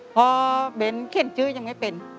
พอเบนเข็นจื้อยังไม่เป็น